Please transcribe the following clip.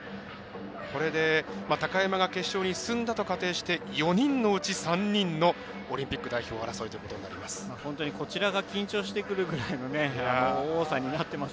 これで高山が決勝に進んだと仮定して、４人のうち３人のオリンピック代表争いということになります。